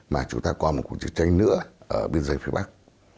mà chúng ta còn một cuộc chiến tranh nữa ở biên giới phía bắc